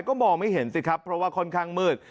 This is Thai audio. ก็มองไม่เห็นสิครับเพราะว่าค่อนข้างมืด